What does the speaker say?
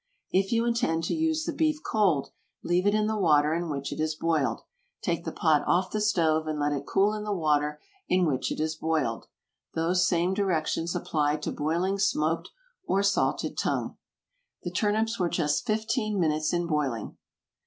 If you intend to use the beef cold, leave it in the water in which it is boiled; take the pot off the stove and let it cool in the water in which it was boiled. Those same directions apply to boiling smoked or salted tongue. The turnips were just fifteen minutes in boiling.